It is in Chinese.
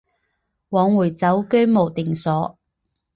往回走居无定所